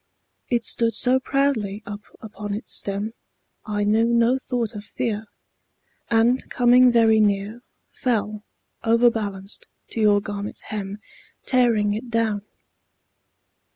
It stood so proudly up upon its stem, I knew no thought of fear, And coming very near Fell, overbalanced, to your garment's hem, Tearing it down.